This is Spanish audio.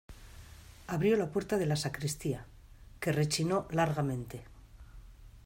abrió la puerta de la sacristía, que rechinó largamente.